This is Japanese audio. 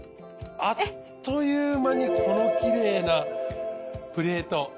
あっという間にこのきれいなプレート。